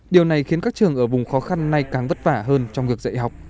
điều này khiến các trường ở vùng khó khăn nay càng vất vả hơn trong việc dạy học